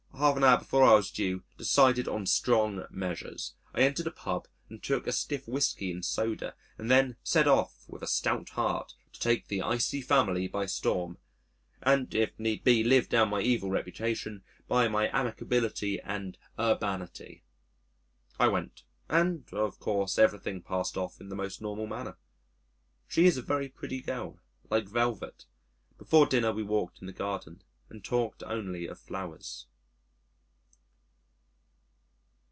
half an hour before I was due, decided on strong measures. I entered a pub and took a stiff whisky and soda, and then set off with a stout heart to take the icy family by storm and if need be live down my evil reputation by my amiability and urbanity! I went and of course everything passed off in the most normal manner. She is a very pretty girl like velvet. Before dinner, we walked in the garden and talked only of flowers.